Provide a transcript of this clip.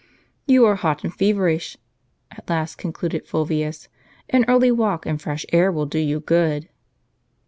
"You are hot and feverish," at last concluded Fulvius; "an early walk, and fresh air, will do you good."